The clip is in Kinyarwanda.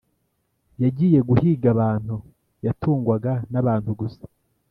yagiye guhiga abantu; yatungwaga n' abantu gusa